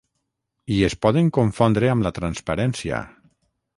I es poden confondre amb la transparència !